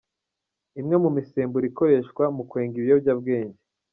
Imwe mu misemburo ikoreshwa mu kwenga ibiyobyabwenge.